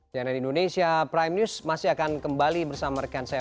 cnn indonesia prime news masih akan kembali bersama rekan saya